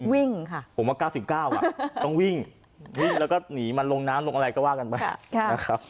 วิ่งค่ะผมว่าเก้าสิบเก้าอ่ะต้องวิ่งวิ่งแล้วก็หนีมันลงน้ำลงอะไรก็ว่ากันไหมค่ะ